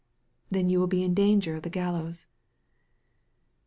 Then you will be in danger of the gallows."